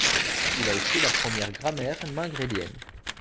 Il a écrit la première grammaire mingrélienne.